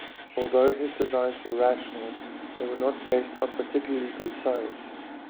Although his designs were rational, they were not based on particularly good science.